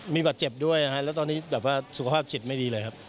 มีบาดเจ็บด้วยแล้วตอนนี้แบบว่าสุขภาพจิตไม่ดีเลยครับ